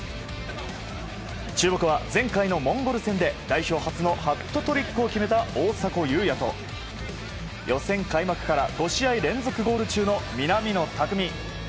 注目は、前回のモンゴル戦で代表初のハットトリックを決めた大迫勇也と予選開幕から５試合連続ゴール中の南野拓実。